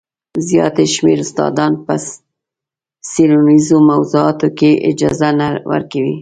زیات شمېر استادان په څېړنیزو موضوعاتو کې اجازه نه ورکوي.